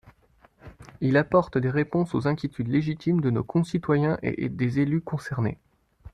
Il apporte des réponses aux inquiétudes légitimes de nos concitoyens et des élus concernés.